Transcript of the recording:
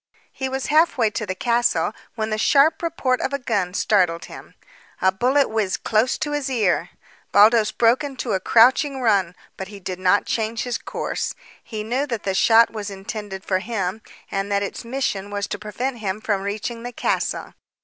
He was half way to the castle when the sharp report of a gun startled him. A bullet whizzed close to his ear! Baldos broke into a crouching run, but did not change his course. He knew that the shot was intended for him, and that its mission was to prevent him from reaching the castle.